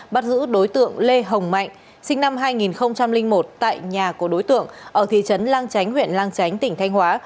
bắt giữ đối tượng lê hồng mạnh sinh năm hai nghìn một tại nhà của đối tượng ở thị trấn lang chánh huyện lang chánh tỉnh thanh hóa